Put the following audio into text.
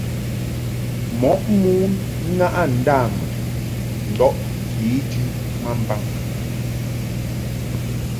Mɔʼ mon ŋaʼɨ ndâmun ndɔʼ kejɨ ma mbaŋ.